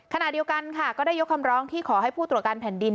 ขณะเดียวกันค่ะก็ได้ยกคำร้องที่ขอให้ผู้ตรวจการแผ่นดิน